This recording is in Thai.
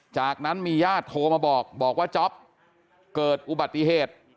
จากนั้นมีญาติโทรมาบอกบอกว่าจ๊อปเกิดอุบัติเหตุ